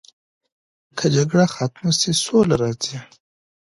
که جګړه ختمه سي سوله راځي.